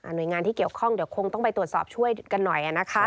หน่วยงานที่เกี่ยวข้องเดี๋ยวคงต้องไปตรวจสอบช่วยกันหน่อย